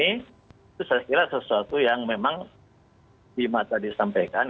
itu saya kira sesuatu yang memang bima tadi sampaikan